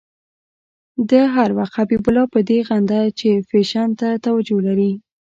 ده هر وخت حبیب الله په دې غندی چې فېشن ته توجه لري.